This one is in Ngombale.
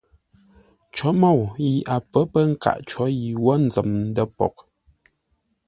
Cǒ môu yi a pə̌ pə nkâʼ có yi ə́ wə́ nzəm ndə̂ poghʼ.